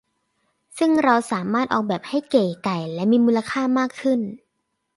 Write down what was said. ซึ่งเราสามารถออกแบบให้เก๋ไก๋และมีมูลค่ามากขึ้น